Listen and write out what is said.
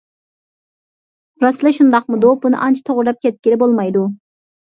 راستلا شۇنداقمىدۇ؟ بۇنى ئانچە توغرا دەپ كەتكىلى بولمايدۇ.